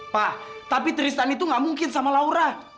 pak tapi tristan itu gak mungkin sama laura